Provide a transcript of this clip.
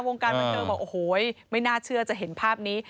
วงการบันเทิงบอกโอ้โหไม่น่าเชื่อจะเห็นภาพนี้